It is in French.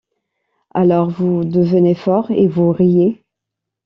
Alors vous devenez fort, et vous riez.